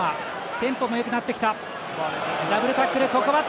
テンポもよくなってきた。